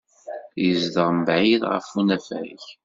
Yezdeɣ mebɛid ɣef unafag.